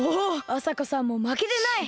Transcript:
あさこさんもまけてない！